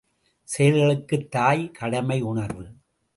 செயல்களுக்குத் தாய் கடமையுணர்வு.